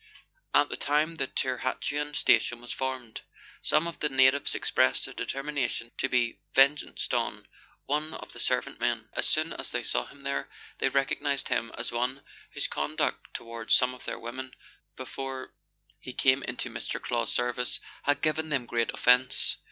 At the time the Tirhatuan Station was formed, some of the natives expressed a determination to be revenged on one of the servant men. As soon as they saw him there, they recognised him as one whose conduct towards some of their women, before he 104 Letters from Victorian Pioneers. came into Mr. Clow's service, had given them great offence.